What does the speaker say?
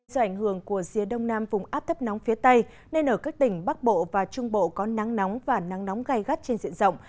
do ảnh hưởng của rìa đông nam vùng áp thấp nóng phía tây nên ở các tỉnh bắc bộ và trung bộ có nắng nóng và nắng nóng gai gắt trên diện rộng